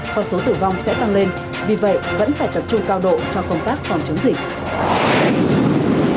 con số tử vong sẽ tăng lên vì vậy vẫn phải tập trung cao độ cho công tác phòng chống dịch